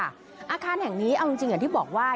อาคารแห่งนี้เอาจริงอย่างที่บอกว่า